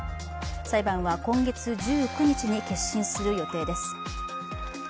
裁判は今月１９日に結審する予定です。